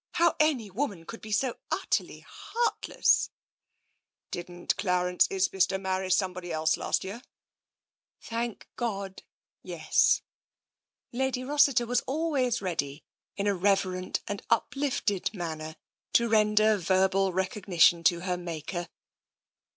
How any woman could be so utterly heart less " TENSION 9 "Didn't Clarence Isbister marry somebody else last year ?" "Thank God, yes/' Lady Rossiter was always ready, in a reverent and uplifted manner, to render verbal recognition to her Maker.